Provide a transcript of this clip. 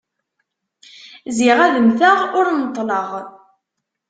Ziɣ ad mteɣ ur neṭleɣ.